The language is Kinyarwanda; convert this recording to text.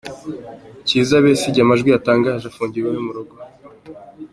Kizza Besigye amajwi yatangajwe afungiwe iwe murugo.